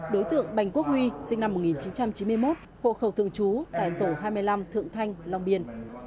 đối tượng bành quốc huy sinh năm một nghìn chín trăm chín mươi một hộ khẩu thường trú tại tổ hai mươi năm thượng thanh long biên